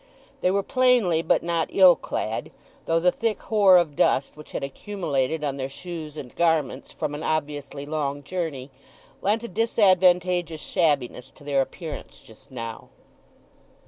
They were plainly but not ill clad, though the thick hoar of dust which had accumulated on their shoes and garments from an obviously long journey lent a disadvantageous shabbiness to their appearance just now.